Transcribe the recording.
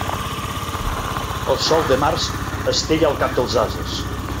El sol de març estella el cap dels ases.